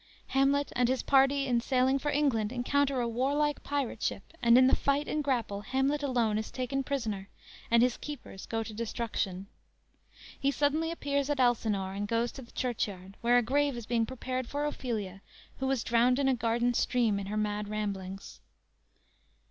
"_ Hamlet and his party in sailing for England encounter a war like pirate ship, and in the fight and grapple Hamlet alone is taken prisoner and his keepers go to destruction. He suddenly appears at Elsinore, and goes to the churchyard, where a grave is being prepared for Ophelia, who was drowned in a garden stream in her mad ramblings.